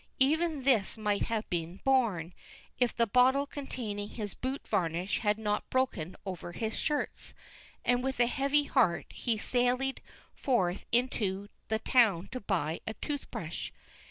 Even this might have been borne, if the bottle containing his boot varnish had not broken over his shirts; and with a heavy heart he sallied forth into the town to buy a tooth brush.